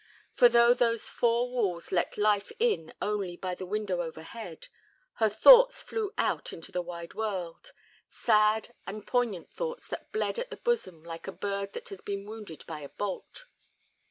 For though those four walls let life in only by the window overhead, her thoughts flew out into the wide world—sad and poignant thoughts that bled at the bosom like a bird that has been wounded by a bolt.